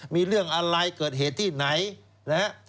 มีเรื่องอะไรเกิดเหตุที่ไหนนะฮะ